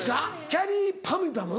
きゃりーぱむぱむ？